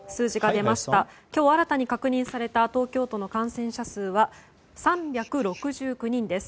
今日、新たに確認された東京都の感染者数は３６９人です。